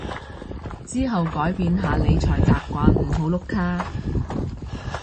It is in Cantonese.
之後改變下理財習慣唔好碌卡